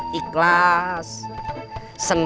miejaknya seperti ini